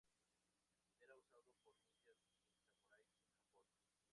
Era usado por ninjas y samuráis en Japón.